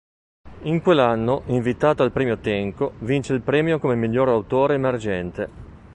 In quell'anno, invitato al Premio Tenco, vince il premio come "Miglior autore emergente".